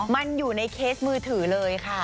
มันอยู่ในเคสมือถือเลยค่ะ